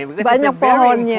iya karena ini banyak pohonnya